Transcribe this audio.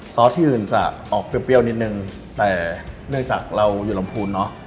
ที่อื่นจะออกเปรี้ยวนิดนึงแต่เนื่องจากเราอยู่ลำพูนเนอะ